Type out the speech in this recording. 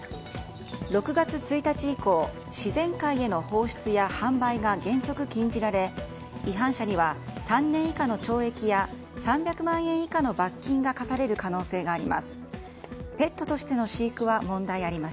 ６月１日以降、自然界への放出や販売が原則禁じられ、違反者には３年以下の懲役や３００万円以下の罰金が科される可能性があります。